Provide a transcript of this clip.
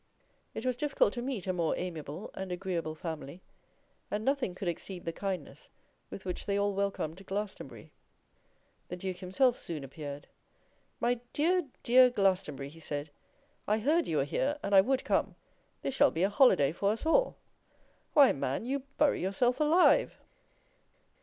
It was difficult to meet a more amiable and agreeable family, and nothing could exceed the kindness with which they all welcomed Glastonbury. The Duke himself soon appeared. 'My dear, dear Glastonbury,' he said, 'I heard you were here, and I would come. This shall be a holiday for us all. Why, man, you bury yourself alive!